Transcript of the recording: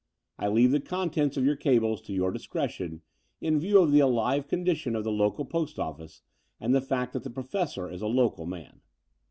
I leave the contents of your cables to your discretion in view of the alive condition of the local post oflBce and the fact that the Professor is a local man."